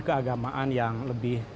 keagamaan yang lebih